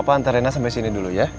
papa antar rena sampai sini dulu ya